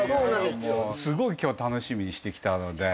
すごい今日は楽しみにしてきたので。